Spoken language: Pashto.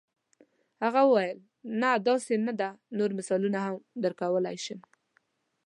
هغه وویل نه داسې نه ده نور مثالونه هم درکولای شم.